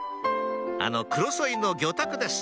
あのクロソイの魚拓です